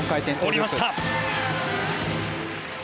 降りました。